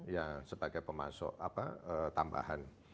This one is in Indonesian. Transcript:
ya sebagai pemasok tambahan